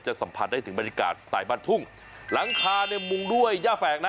สัมผัสได้ถึงบรรยากาศสไตล์บ้านทุ่งหลังคาเนี่ยมุงด้วยย่าแฝกนะ